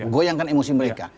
goyangkan emosi mereka